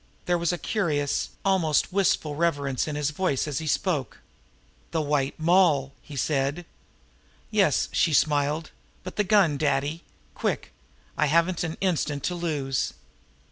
There was a curious, almost wistful reverence in his voice as he spoke. "The White Moll!" he said. "Yes," she smiled. "But the gun, Daddy. Quick! I haven't an instant to lose."